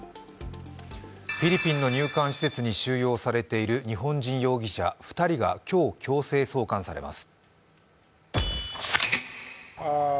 フィリピンの入管施設に収容されている日本人容疑者２人が今日、強制送還されます。